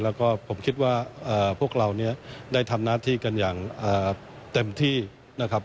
แล้วก็ผมคิดว่าพวกเราเนี่ยได้ทำหน้าที่กันอย่างเต็มที่นะครับ